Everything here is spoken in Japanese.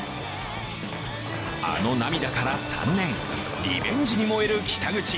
あの涙から３年、リベンジに燃える北口。